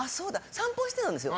散歩してたんですよ。